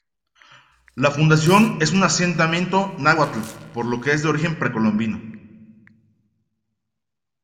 La fundación es un asentamiento náhua, por lo que es de origen precolombino.